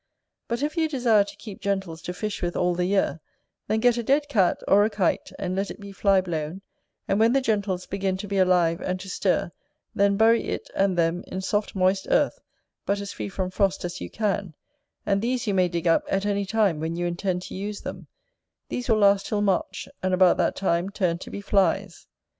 But if you desire to keep gentles to fish with all the year, then get a dead cat, or a kite, and let it be flyblown; and when the gentles begin to be alive and to stir, then bury it and them in soft moist earth, but as free from frost as you can; and these you may dig up at any time when you intend to use them: these will last till March, and about that time turn to be flies.